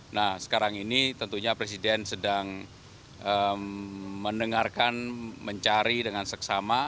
nah sekarang ini tentunya presiden sedang mendengarkan mencari dengan seksama